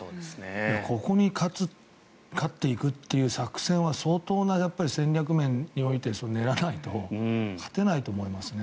ここに勝っていくという作戦は相当な戦略面において練らないと勝てないと思いますね。